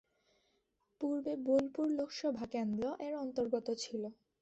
পূর্বে বোলপুর লোকসভা কেন্দ্র এর অন্তর্গত ছিল।